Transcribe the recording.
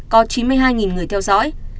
có chín mươi hai người theo dõi